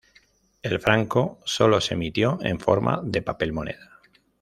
El franco sólo se emitió en forma de papel moneda.